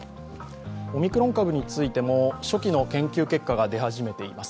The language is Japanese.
オミクロン株についても初期の研究結果が出始めています。